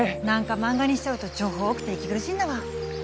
なんか漫画にしちゃうと情報多くて息苦しいんだわ。